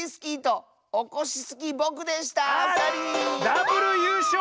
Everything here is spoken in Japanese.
ダブルゆうしょう！